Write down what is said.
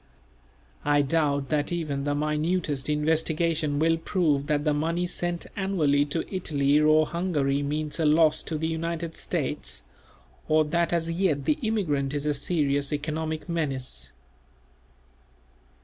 I doubt that even the minutest investigation will prove that the money sent annually to Italy or Hungary means a loss to the United States, or that as yet the immigrant is a serious economic menace.